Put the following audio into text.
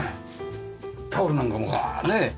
タオルなんかもねえ。